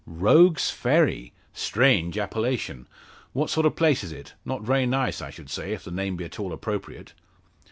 "Rogue's Ferry? Strange appellation! What sort of place is it? Not very nice, I should say if the name be at all appropriate."